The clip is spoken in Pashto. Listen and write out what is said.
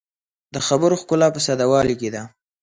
د خبرو ښکلا په ساده والي کې ده